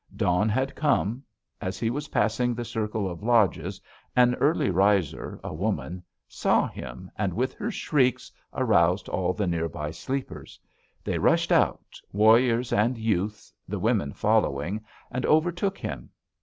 Dawn had come. As he was passing the circle of lodges, an early riser, a woman, saw him and with her shrieks aroused all the near by sleepers. They rushed out, warriors and youths, the women following, and overtook him.